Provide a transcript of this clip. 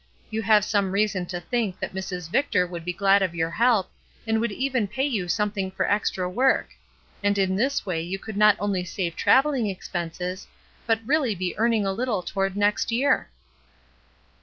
You have some reason to think that Mrs. Victor would be glad of your help, and would even pay you something for extra work ; and in this way you could not only save travelUng expenses, but really be earning a little toward next year.''